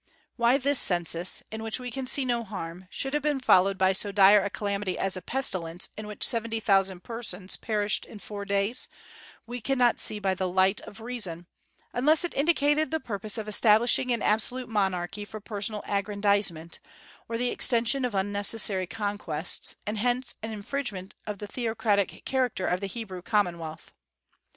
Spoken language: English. Why this census, in which we can see no harm, should have been followed by so dire a calamity as a pestilence in which seventy thousand persons perished in four days, we cannot see by the light of reason, unless it indicated the purpose of establishing an absolute monarchy for personal aggrandizement, or the extension of unnecessary conquests, and hence an infringement of the theocratic character of the Hebrew commonwealth.